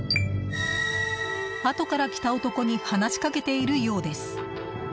後から来た男に話しかけているようです。